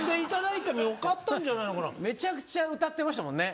めちゃくちゃ歌ってましたもんね。